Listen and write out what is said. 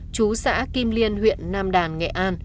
chú xã kim liên huyện nam định